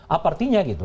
apa artinya gitu